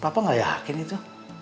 papa nggak yakin itu